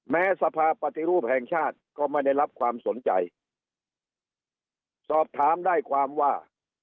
สภาพปฏิรูปแห่งชาติก็ไม่ได้รับความสนใจสอบถามได้ความว่า